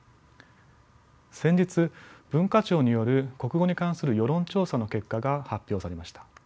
先日文化庁による国語に関する世論調査の結果が発表されました。